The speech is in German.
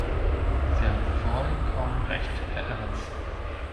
Sie haben vollkommen recht, Herr Evans.